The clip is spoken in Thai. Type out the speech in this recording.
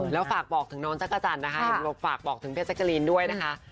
แล้วฝากบอกถึงน้องจ๊ะจ๋าดนะคะเก็บผ่ากบอกถึงเพียร์ฉะลีนด้วยนะคะ